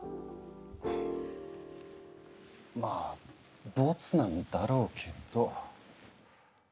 まあボツなんだろうけど。